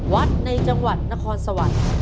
วัดในจังหวัดนครสวัน